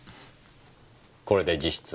これで実質